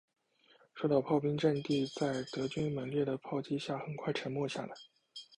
守岛炮兵阵地在德军猛烈的炮击下很快沉默下来。